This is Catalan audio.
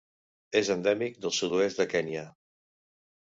És endèmic del sud-oest de Kenya.